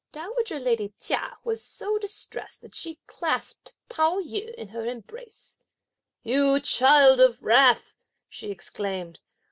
Dowager lady Chia was so distressed that she clasped Pao yü in her embrace. "You child of wrath," she exclaimed.